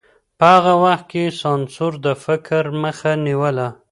په هغه وخت کي سانسور د فکر مخه نيوله.